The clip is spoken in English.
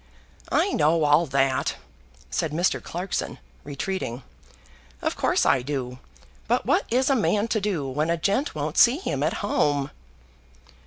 "I know all that," said Mr. Clarkson, retreating. "Of course I do. But what is a man to do when a gent won't see him at home?"